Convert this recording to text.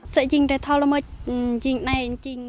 sở văn hóa thể thao và du lịch tỉnh đắk lắc